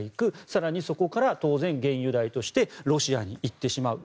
更にそこから当然、原油代としてロシアに行ってしまう。